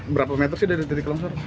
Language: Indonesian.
berapa meter sih dari titik longsor